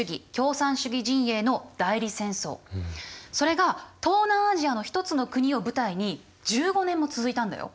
それが東南アジアの一つの国を舞台に１５年も続いたんだよ。